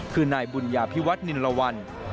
คือนายบุญยาพิวัฒนิรวรรณ